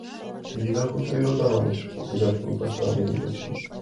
— Тиде закон-природа, манеш, обязательный постановлений гычын.